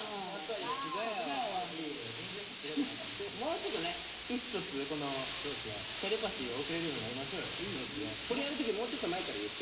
もうちょっとね意思疎通テレパシーを送れるようになりましょうよ。